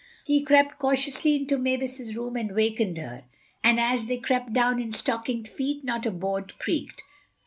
He crept cautiously into Mavis's room and wakened her, and as they crept down in stockinged feet not a board creaked.